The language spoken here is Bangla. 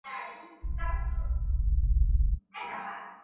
তুমি কোনো অপরাধ কর নাই।